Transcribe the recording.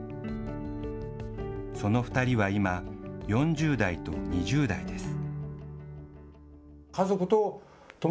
その２人は今、４０代と２０代です。